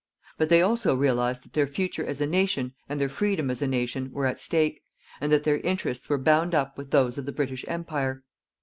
But they also realized that their future as a nation and their freedom as a nation were at stake, and that their interests were bound up with those of the British Empire.